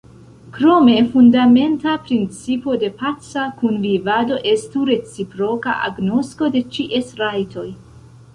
Krome, fundamenta principo de paca kunvivado estu reciproka agnosko de ĉies rajtoj.